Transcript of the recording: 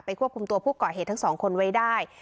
ควบคุมตัวผู้ก่อเหตุทั้งสองคนไว้ได้